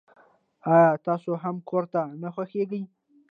آیا تاسو هم کورت نه خوښیږي.